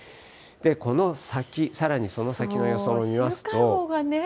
この先、さらにその先の予想も見ますと。